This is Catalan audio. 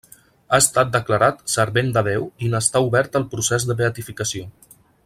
Ha estat declarat servent de Déu i n'està obert el procés de beatificació.